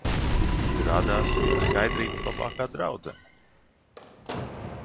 Izrādās, viņa Skaidrītes labākā draudzene...